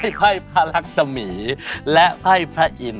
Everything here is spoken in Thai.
ได้ไภพระรักษมีษ์และไภพระอินทร์